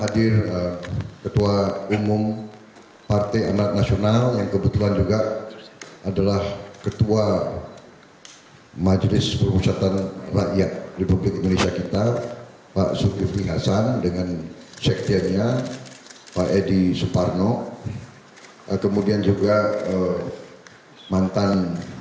dan juga kemudian juga mantan menteri korupsional